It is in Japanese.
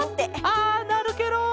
あなるケロ。